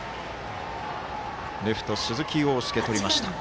レフト、鈴木凰介とりました。